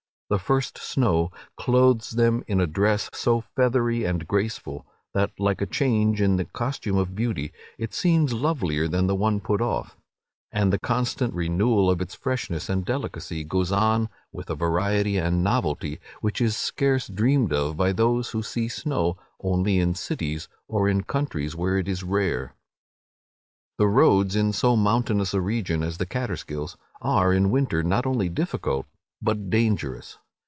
The first snow clothes them in a dress so feathery and graceful, that, like a change in the costume of beauty, it seems lovelier than the one put off; and the constant renewal of its freshness and delicacy goes on with a variety and novelty which is scarce dreamed of by those who see snow only in cities, or in countries where it is rare. The roads, in so mountainous a region as the Catterskills, are in winter not only difficult, but dangerous.